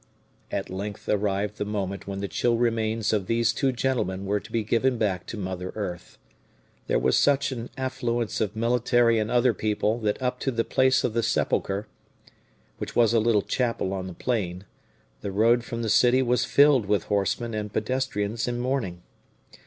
At length arrived the moment when the chill remains of these two gentlemen were to be given back to mother earth. There was such an affluence of military and other people that up to the place of the sepulture, which was a little chapel on the plain, the road from the city was filled with horsemen and pedestrians in mourning.